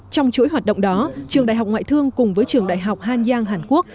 trong chuỗi hoạt động đó trường đại học ngoại thương cùng với trường đại học han giang hàn quốc